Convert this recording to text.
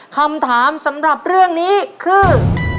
คำถามสำหรับเรื่องนี้คือ